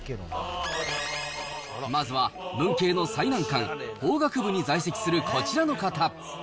まずは文系の最難関、法学部に在籍するこちらの方。